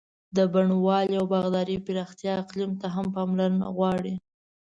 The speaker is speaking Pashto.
د بڼوالۍ او باغدارۍ پراختیا اقلیم ته هم پاملرنه غواړي.